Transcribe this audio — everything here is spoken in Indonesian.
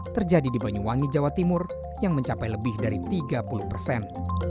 terjadi di banyuwangi jawa timur yang mencapai lebih dari tiga puluh persen